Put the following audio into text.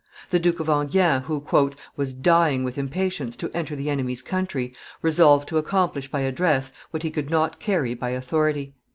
The Duke of Enghien, who "was dying with impatience to enter the enemy's country, resolved to accomplish by address what he could not carry by authority.